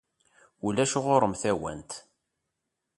Ulac ɣur-m tawant.